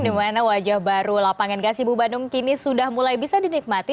di mana wajah baru lapangan gasibu bandung kini sudah mulai bisa dinikmati